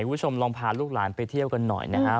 คุณผู้ชมลองพาลูกหลานไปเที่ยวกันหน่อยนะครับ